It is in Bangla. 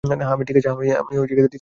হ্যাঁ, আমি ঠিক আছি।